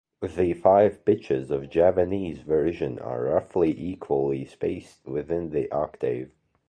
The five pitches of the Javanese version are roughly equally spaced within the octave.